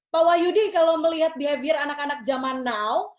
pak wahyudi kalau melihat behavior anak anak zaman now